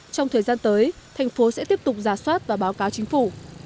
trong thời gian tới thành phố sẽ tiếp tục giả soát và báo cáo chính phủ